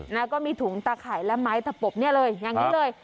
แล้วก็มีถุงตาไข่และไม้ตะปบเนี่ยเลยอย่างนี้เลย